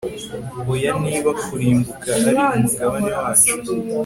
Oya niba kurimbuka ari umugabane wacu